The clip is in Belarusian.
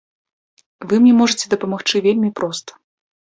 Вы мне можаце дапамагчы вельмі проста.